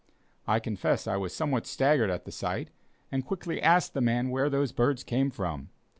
I confess I was somewhat staggered at this sight and quickly asked the man where those birds came from.